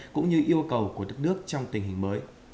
cũng như yêu cầu của đất nước trong tình hình mới